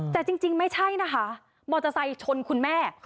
แต่จริงไม่ใช่นะคะมอเตอร์ไซค์ชนคุณแม่